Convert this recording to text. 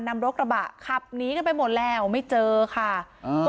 นำรถกระบะขับหนีกันไปหมดแล้วไม่เจอค่ะอ่า